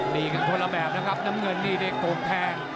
ดีกันคนละแบบนะครับน้ำเงินนี่ได้โกงแทง